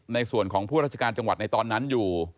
ในส่วนของผู้ราชการจังหวัดในตอนนั้นอยู่